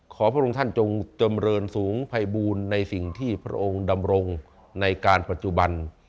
พระองค์ท่านจงจำเรินสูงภัยบูรณ์ในสิ่งที่พระองค์ดำรงในการปัจจุบัน